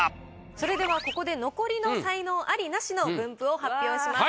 それではここで残りの才能アリ・ナシの分布を発表します。